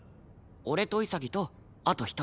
俺と潔とあと１人。